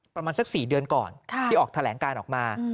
ประมาณสัก๔เดือนก่อนที่ออกแถลงการออกมา